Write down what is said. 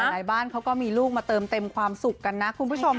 ในบ้านเขาก็มีลูกมาเติมเต็มความสุขกันนะคุณผู้ชม